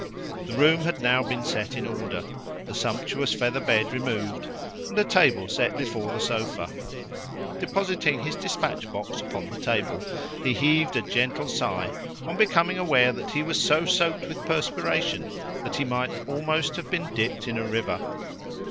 The room had now been set in order, the sumptuous feather bed removed, and a table set before the sofa. Depositing his dispatch box upon the table, he heaved a gentle sigh on becoming aware that he was so soaked with perspiration that he might almost have been dipped in a river.